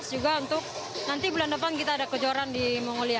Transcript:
juga untuk nanti bulan depan kita ada kejuaraan di mongolia